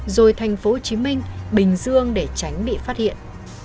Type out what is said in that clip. rồi thành phố hồ chí minh bình dương để tránh bị phát hiện